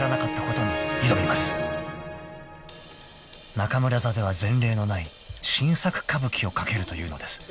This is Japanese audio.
［中村座では前例のない新作歌舞伎をかけるというのです］